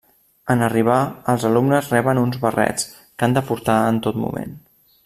En arribar, els alumnes reben uns barrets que han de portar en tot moment.